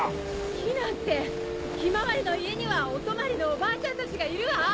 避難って「ひまわりの家」にはお泊まりのおばあちゃんたちがいるわ！